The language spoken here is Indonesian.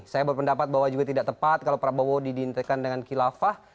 saya berpendapat bahwa juga tidak tepat kalau prabowo didintekan dengan kilafah